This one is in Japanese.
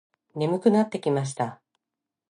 眠くなってきました。